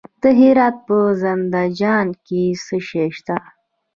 د هرات په زنده جان کې څه شی شته؟